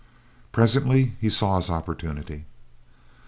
Presently he saw his opportunity.